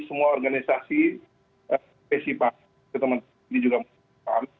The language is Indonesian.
semua organisasi spesifikasi